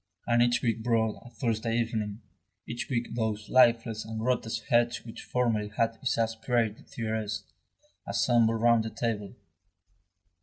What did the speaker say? And each week brought a Thursday evening, each week those lifeless and grotesque heads which formerly had exasperated Thérèse, assembled round the table.